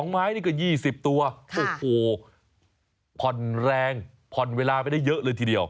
ไม้นี่ก็๒๐ตัวโอ้โหผ่อนแรงผ่อนเวลาไปได้เยอะเลยทีเดียว